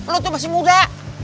lu tuh masih muda